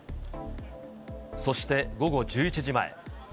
そして午後１１時前。